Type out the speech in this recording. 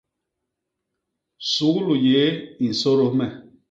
Suglu yéé i nsôdôs me.